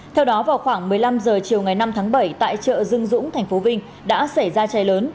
theo đó vào khoảng một mươi năm h chiều ngày năm tháng bảy tại chợ dưng dũng tp vinh đã xảy ra cháy lớn